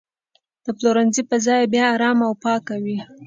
د پلورنځي فضا باید آرامه او پاکه وي.